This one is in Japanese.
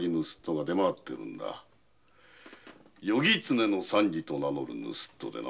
「夜狐の三次」と名乗る盗っ人でな。